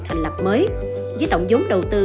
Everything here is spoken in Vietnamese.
thành lập mới với tổng giống đầu tư